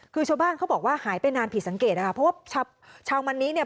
คือชาวบ้านเขาบอกว่าหายไปนานผิดสังเกตนะคะเพราะว่าชาวมันนี้เนี่ย